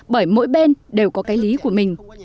bởi mỗi bên đều có cái lý của mình